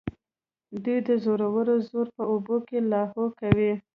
دوی د زورورو زور په اوبو کې لاهو کوي.